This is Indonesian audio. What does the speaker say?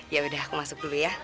ya udah aku masuk dulu ya